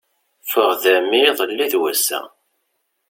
Ffɣeɣ d ɛemmi iḍelli d wass-a.